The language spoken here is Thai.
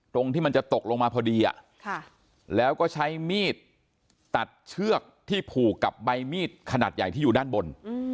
ที่มันจะตกลงมาพอดีแล้วก็ใช้มีดตัดเชือกที่ผูกกับใบมีดขนาดใหญ่ที่อยู่ด้านบน